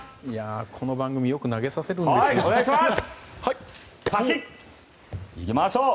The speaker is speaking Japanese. この番組よく投げさせるんですよ。いきましょう！